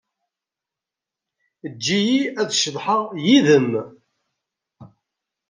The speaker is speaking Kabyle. Eǧǧ-iyi ad ceḍḥeɣ yid-k.